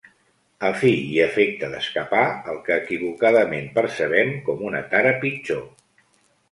A fi i efecte d'escapar el que equivocadament percebem com una tara pitjor.